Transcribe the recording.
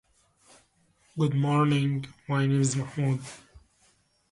The committee selected Channing to serve as moderator and Rev.